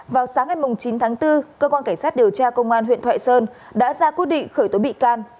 vào sáng ngày chín tháng bốn cơ quan cảnh sát điều tra công an huyện thoại sơn đã ra quyết định khởi tố bị can